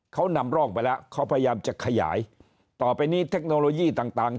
เขานำร่องไปแล้วเขาพยายามจะขยายต่อไปนี้เทคโนโลยีต่างต่าง